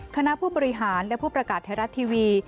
คณะผู้บริหารและผู้ประกาศไทยรัฐทีวี